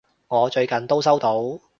我最近都收到！